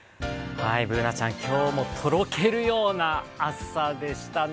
Ｂｏｏｎａちゃん、今日もとろけるような暑さでしたね。